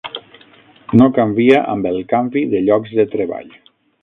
No canvia amb el canvi de llocs de treball.